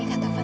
kau ingat kan